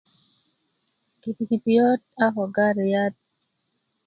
pikipikiyö ako gatiyat